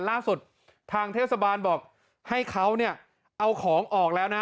ล่าสุดทางเทศบาลบอกให้เขาเนี่ยเอาของออกแล้วนะ